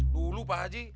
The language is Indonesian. dulu pak haji